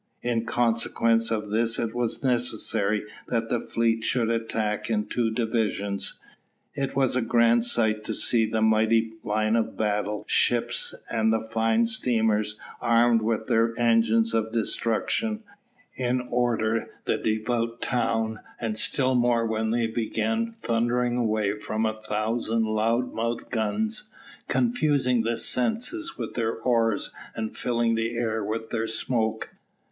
In consequence of this it was necessary that the fleet should attack in two divisions. It was a grand sight to see the mighty line of battle ships and the fine steamers, armed with their engines of destruction, approaching in order the devoted town, and still more when they began thundering away from a thousand loud mouthed guns, confusing the senses with their roars and filling the air with their smoke.